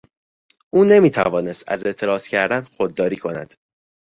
او نمیتوانست از اعتراض کردن خودداری کند.